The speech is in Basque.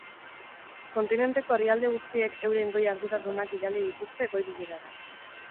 Kontinenteko herrialde guztiek euren goi arduradunak bidali dituzte goi-bilerara.